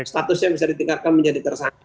statusnya bisa ditingkatkan menjadi tersangka